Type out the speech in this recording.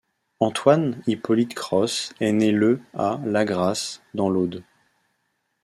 Antoine-Hippolyte Cros est né le à Lagrasse, dans l'Aude.